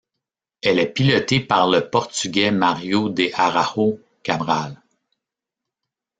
Elle est pilotée par le Portugais Mário de Araújo Cabral.